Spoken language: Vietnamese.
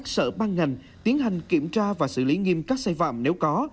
sở ban ngành tiến hành kiểm tra và xử lý nghiêm các sai phạm nếu có